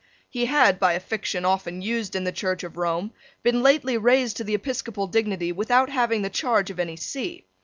He had, by a fiction often used in the Church of Rome, been lately raised to the episcopal dignity without having the charge of any see.